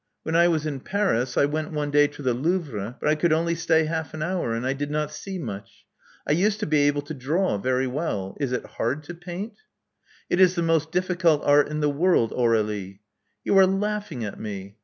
When I was in Paris, I went one day to the Louvre ; but I could only stay half an hour; and I did not see much. I used to be able to draw very well. Is it hard to paint?" '*It is the most difficult art in the world, Aur^lie." You are laughing at me.